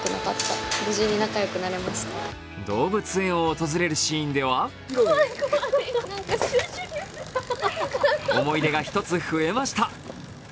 動物園を訪れるシーンでは思い出が一つ増えました。